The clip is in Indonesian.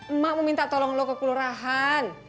emang mau minta tolong lo ke kelurahan